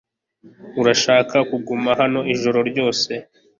Urashaka kuguma hano ijoro ryose?